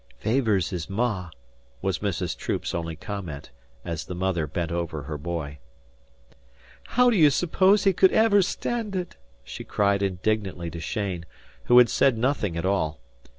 "Favours his ma," was Mrs. Troop's only comment, as the mother bent over her boy. "How d'you suppose he could ever stand it?" she cried indignantly to Cheyne, who had said nothing at all.